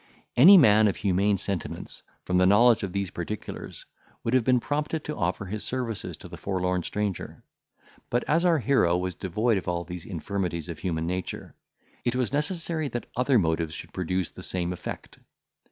Any man of humane sentiments, from the knowledge of these particulars, would have been prompted to offer his services to the forlorn stranger; but as our hero was devoid of all these infirmities of human nature, it was necessary that other motives should produce the same effect.